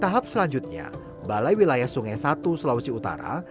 tahap selanjutnya balai wilayah sungai satu sulawesi utara